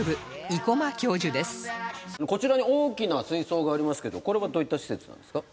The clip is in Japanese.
こちらに大きな水槽がありますけどこれはどういった施設なんですか？